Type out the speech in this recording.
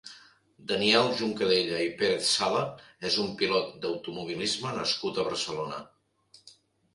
Daniel Juncadella i Pérez-Sala és un pilot d'automobilisme nascut a Barcelona.